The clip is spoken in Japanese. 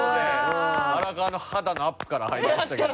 荒川の肌のアップから入りましたけど。